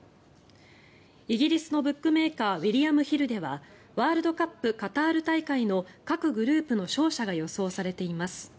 イギリスのブックメーカーウィリアムヒルではワールドカップカタール大会の各グループの勝者が予想されています。